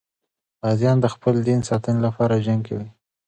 غازیان د خپل دین ساتنې لپاره جنګ کوي.